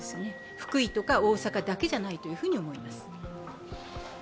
福井とか大阪だけじゃないと思います。